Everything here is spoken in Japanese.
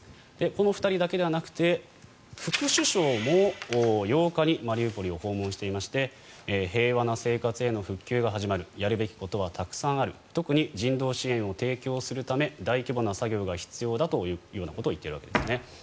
この２人だけではなくて副首相も８日にマリウポリを訪問していまして平和な生活への復旧が始まるやるべきことはたくさんある特に人道支援を提供するため大規模な作業が必要だというようなことを言っているわけですね。